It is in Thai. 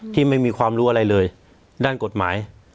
ไม่มีความรู้อะไรเลยด้านกฎหมาย